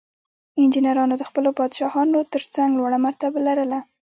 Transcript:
انجینرانو د خپلو پادشاهانو ترڅنګ لوړه مرتبه لرله.